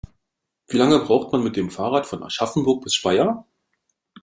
Wie lange braucht man mit dem Fahrrad von Aschaffenburg bis Speyer?